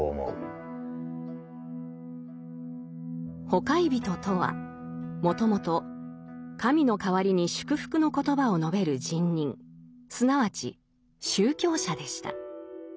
「ほかひゞと」とはもともと神の代わりに祝福の言葉を述べる神人すなわち宗教者でした。